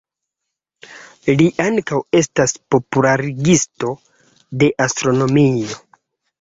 Li ankaŭ estas popularigisto de astronomio.